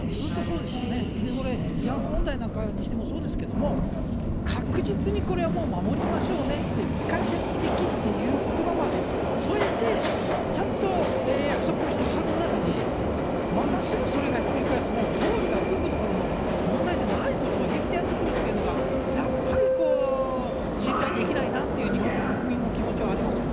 で、これ、慰安婦問題なんかにしてもそうですけども、確実にこれはもう守りましょうねって、不可逆的ということばまで添えて、ちゃんと約束をしたはずなのに、またすぐそれがひっくり返す、ゴールが動くどころの問題じゃないことを、平気でやってくるってことが、やっぱり信頼できないなっていう、日本の国民の気持ちはありますよね。